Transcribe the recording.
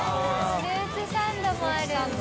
フルーツサンドもあるんだ。